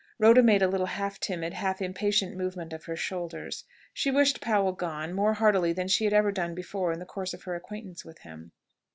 Rhoda made a little half timid, half impatient movement of her shoulders. She wished Powell gone, more heartily than she had ever done before in the course of her acquaintance with him.